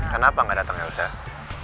kenapa gak datang ya ustaz